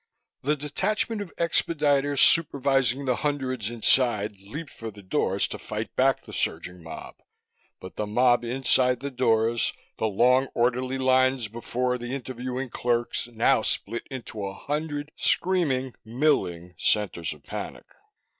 The detachment of expediters, supervising the hundreds inside leaped for the doors to fight back the surging mob. But the mob inside the doors, the long orderly lines before the interviewing clerks, now split into a hundred screaming, milling centers of panic.